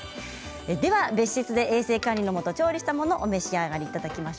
別室で衛生管理のもと調理したものをお召し上がりください。